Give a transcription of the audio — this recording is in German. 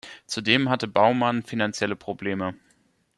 Zudem hatte Baumann finanzielle Probleme.